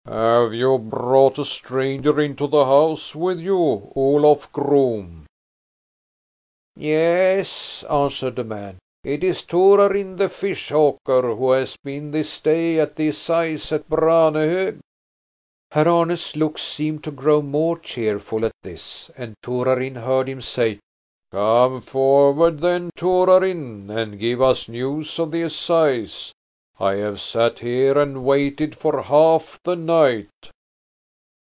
"Have you brought a stranger into the house with you, Olof groom?" "Yes," answered the man, "it is Torarin the fish hawker, who has been this day at the assize at Branehog." Herr Arne's looks seemed to grow more cheerful at this, and Torarin heard him say: "Come forward then, Torarin, and give us news of the assize! I have sat here and waited for half the night."